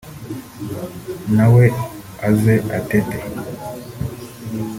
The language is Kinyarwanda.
nawe aze atete